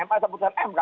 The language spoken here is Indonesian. itu kan itu putusan mk